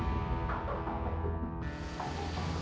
gak ada urusannya sama nathan